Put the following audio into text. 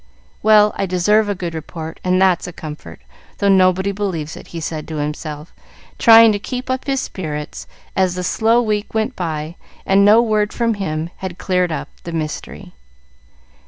"Well, I deserve a good report, and that's a comfort, though nobody believes it," he said to himself, trying to keep up his spirits, as the slow week went by, and no word from him had cleared up the mystery.